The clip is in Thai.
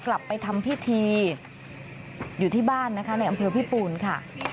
กลับไปทำพิธีอยู่ที่บ้านนะคะในอำเภอพิปูนค่ะ